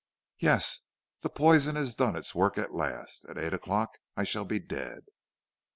"'Yes; the poison has done its work at last. At eight o'clock I shall be dead.'